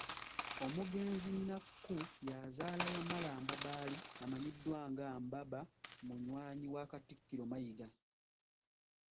Omugenzi Nakku y'azaala Wamala Mbabaali amanyiddwa nga Mbaba munywanyi wa Katikkiro Mayiga.